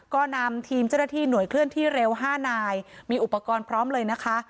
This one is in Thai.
ก็นำทีมเจ้าหน้าที่หน่วยเคลื่อนที่เร็ว๕นายมีอุปกรณ์พร้อมเลยนะคะ